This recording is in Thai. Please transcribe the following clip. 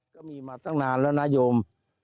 ก็มีมาตั้งนานแล้วนะโยม